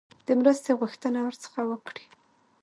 د مرستې غوښتنه ورڅخه وکړي.